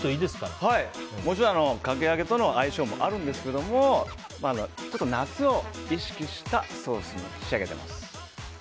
もちろん、かき揚げとの相性もあるんですけど夏を意識したソースに仕上げています。